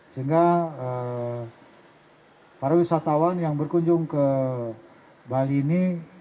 sehingga para wisatawan yang berkunjung ke bali ini